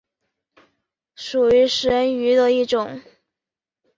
属于食人鱼的一种。